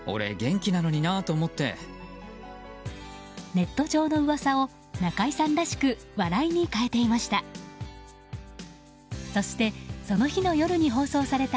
ネット上の噂を中居さんらしく笑いに変えていました。